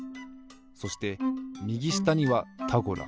そしてみぎしたには「タゴラ」。